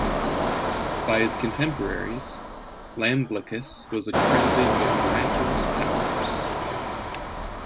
By his contemporaries, Iamblichus was accredited with miraculous powers.